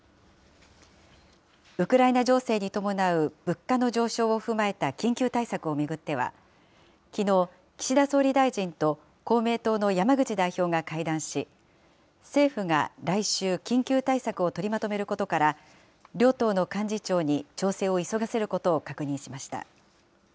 ウクライナ情勢に伴う物価の上昇を踏まえた緊急対策を巡っては、きのう、岸田総理大臣と公明党の山口代表が会談し、政府が来週、緊急対策を取りまとめることから、両党の幹事長に調整を急がせることを確認しました。